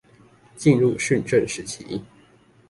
進入訓政時期